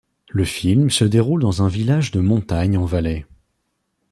Le film se déroule dans un village de montagne en Valais.